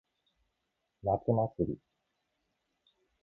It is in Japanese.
夏祭り。